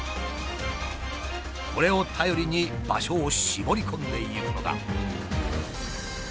これを頼りに場所を絞り込んでいくのだ。